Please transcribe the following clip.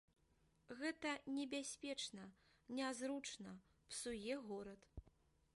Гэта небяспечна, нязручна, псуе горад.